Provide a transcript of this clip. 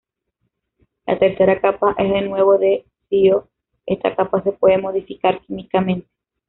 La tercera capa es de nuevo de SiO- esta capa se puede modificar químicamente.